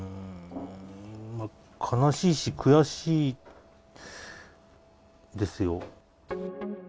悲しいし、悔しいですよ。